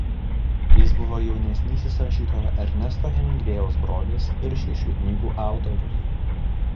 Jis buvo jaunesnysis rašytojo Ernesto Hemingvėjaus brolis ir šešių knygų autorius.